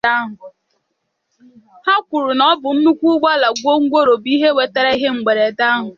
Ha kọwara na ọ bụ nnukwu ụgbọala gwongworo bu ehi wètàrà ihe mberede ahụ